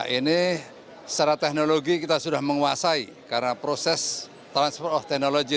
ini secara teknologi kita sudah menguasai karena proses transfer of technology